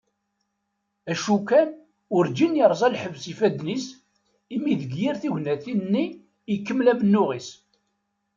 Acu kan, urǧin yerẓa lḥebs ifadden-is imi deg yir tignatin-nni ikemmel amennuɣ-is.